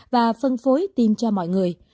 và phân phối tiêm cho mọi người